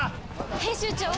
編集長。